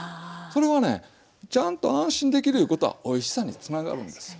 それはねちゃんと安心できるいうことはおいしさにつながるんですよ。